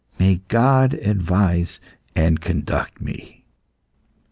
May God advise and conduct me."